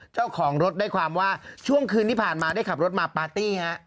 เจ้าของรถได้ความว่าช่วงคืนที่ผ่านมาได้ขับรถมาปาร์ตี้ฮะ